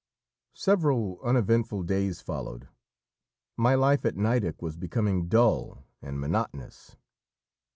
Several uneventful days followed. My life at Nideck was becoming dull and monotonous.